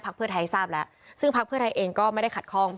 ทางคุณชัยธวัดก็บอกว่าการยื่นเรื่องแก้ไขมาตรวจสองเจน